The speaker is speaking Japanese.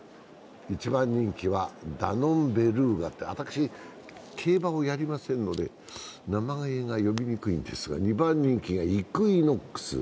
一番人気はダノンベルーガって、私、競馬をやりませんので名前が呼びにくいんですが、２番人気がイクイノックス。